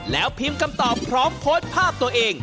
แล้วพิมพ์คำตอบพร้อมโพสต์ภาพตัวเอง